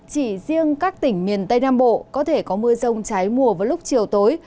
chỉ riêng các tỉnh miền tây nam bộ có thể có mưa rông trái mùa vào lúc chiều tối